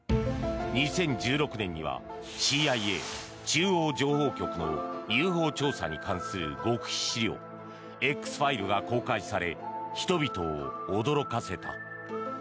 ２０１６年にはＣＩＡ・中央情報局のＵＦＯ調査に関する極秘資料Ｘファイルが公開され人々を驚かせた。